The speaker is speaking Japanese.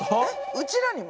うちらにも？